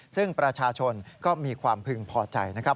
ซึ่งประชาชนก็มีความพึงพอใจนะครับ